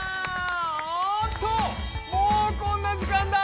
おっともうこんな時間だ！